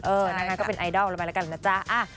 เออนะคะก็เป็นไอดอลมาแล้วกันนะจ๊ะ